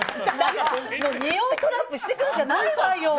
においトラップしてくるんじゃないわよ。